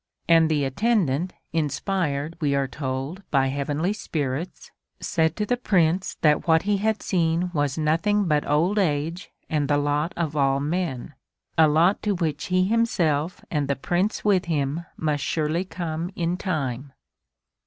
And the attendant, inspired, we are told, by Heavenly spirits, said to the Prince that what he had seen was nothing but old age and the lot of all men a lot to which he himself and the Prince with him must surely come in time.